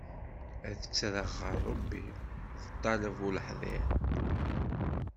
Ad ttreɣ ɣer Ṛebbi, d ṭṭaleb uleḥḍir.